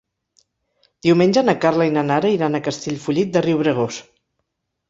Diumenge na Carla i na Nara iran a Castellfollit de Riubregós.